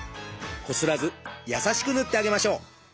こすらず優しく塗ってあげましょう。